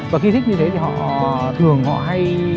và khi thích như thế thì thường họ hay